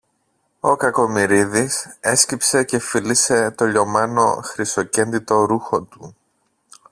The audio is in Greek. Ο Κακομοιρίδης έσκυψε και φίλησε το λιωμένο χρυσοκέντητο ρούχο του.